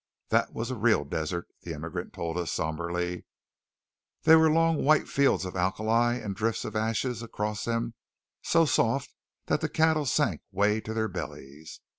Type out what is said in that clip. "That was a real desert," the immigrant told us sombrely. "There were long white fields of alkali and drifts of ashes across them so soft that the cattle sank way to their bellies.